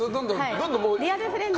リアルフレンドを。